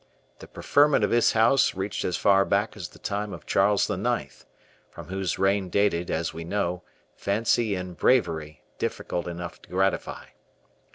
The preferment of his house reached as far back as the time of Charles IX.; from whose reign dated, as we know, fancy in bravery difficult enough to gratify.